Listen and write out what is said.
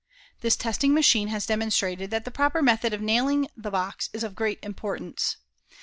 This testing machine has demonstrated that the proper method of nailing the box is of great importance.